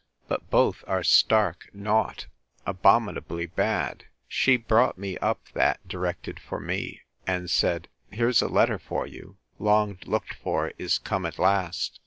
But both are stark naught, abominably bad! She brought me up that directed for me, and said, Here's a letter for you: Long looked for is come at last.